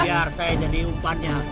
biar saya jadi umpannya